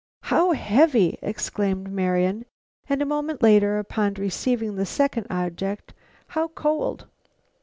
"How heavy!" exclaimed Marian. And a moment later, upon receiving the second object, "How cold!"